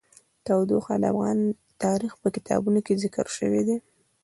تودوخه د افغان تاریخ په کتابونو کې ذکر شوی دي.